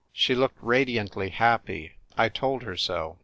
She looked radiantly happy ; I told her so.